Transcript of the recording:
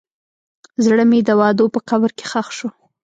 زړه مې د وعدو په قبر کې ښخ شو.